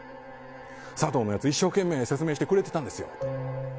佐藤のやつ、一生懸命説明してくれてたんですよ。